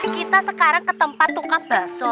kita sekarang ke tempat tukat bakso